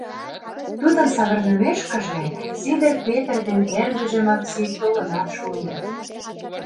Тудын савырнымешкыже, Сидыр Петр ден эргыже Макси толынат шуыныт.